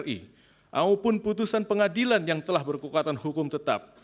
maupun putusan pengadilan yang telah berkekuatan hukum tetap